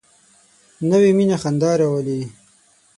نوې مینه خندا راولي